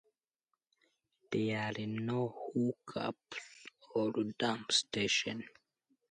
There are no hook-ups or dump station.